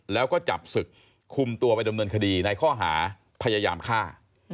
แล้วก็จับศึกคุมตัวไปดำเนินคดีในข้อหาพยายามฆ่า